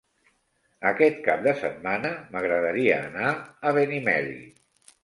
Aquest cap de setmana m'agradaria anar a Benimeli.